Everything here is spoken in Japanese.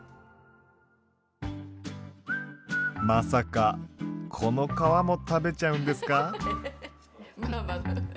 まさかこの皮も食べちゃうんですか？